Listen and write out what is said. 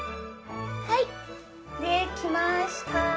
はい出来ました。